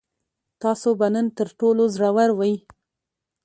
تاسو به نن تر ټولو زړور وئ.